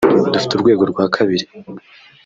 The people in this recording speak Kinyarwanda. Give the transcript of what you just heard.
Dufite urwego rwa kabiri